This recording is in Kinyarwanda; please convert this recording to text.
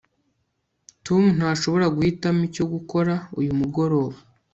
tom ntashobora guhitamo icyo gukora uyu mugoroba